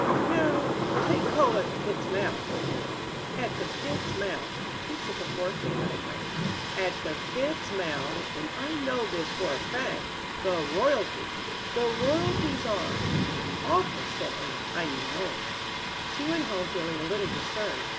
"Now, take coal at the pit's mouth," he went on "at the pit's mouth" he shook a forefinger at her "at the pit's mouth and I know this for a fact the royalties, the royalties are " "It's awful," said Anne. "I know." She went home feeling a little disturbed.